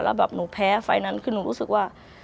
แล้วแบบหนูแพ้ไฟล์นั้นคือหนูรู้สึกว่า